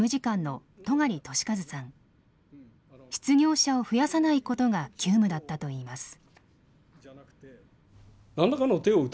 失業者を増やさないことが急務だったといいます。